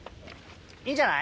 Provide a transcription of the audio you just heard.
いいんじゃない？